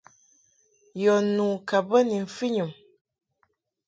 Yɔ nu ka bə ni mfɨnyum.